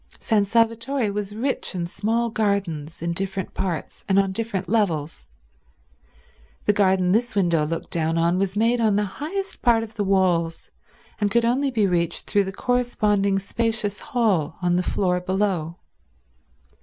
San Salvatore was rich in small gardens in different parts and on different levels. The garden this window looked down on was made on the highest part of the walls, and could only be reached through the corresponding spacious hall on the floor below.